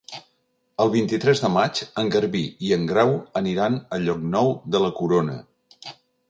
El vint-i-tres de maig en Garbí i en Grau aniran a Llocnou de la Corona.